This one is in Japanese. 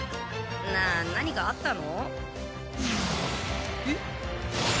なぁ何かあったの？え？